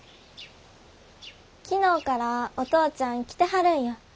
昨日からお父ちゃん来てはるんよ。